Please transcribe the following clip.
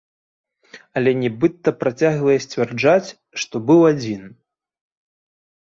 Але нібыта працягвае сцвярджаць, што быў адзін.